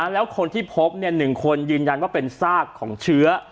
แล้วคนที่พบ๑คนยืนยันว่าเป็นซากของเชื้อ